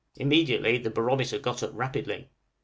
immediately the barometer got up rapidly.